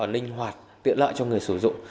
linh hoạt tiện lợi cho người sử dụng